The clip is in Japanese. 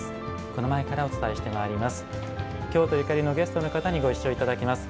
この前から、お伝えしていきます。